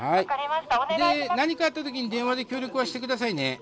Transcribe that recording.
で何かあった時に電話で協力はして下さいね。